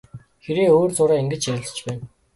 Хэрээ өөр зуураа ингэж ярилцаж байна.